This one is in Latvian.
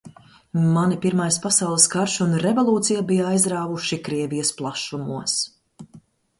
Mani pirmais pasaules karš un revolūcija bija aizrāvuši Krievijas plašumos.